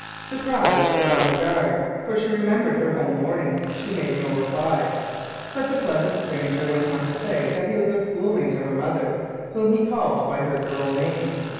Surprised, but on her guard, for she remembered her home warnings, she made no reply; but the pleasant stranger went on to say that he was a schoolmate of her mother, whom he called by her girl name.